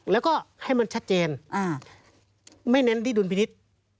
แล้วก็ให้มันชัดเจนไม่เน้นที่ดุลพินิษฐ์